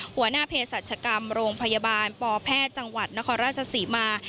หัวหน้าเพศรัชกรรมโรงพยาบาลปแพทย์จังหวัดนครราชศรีมา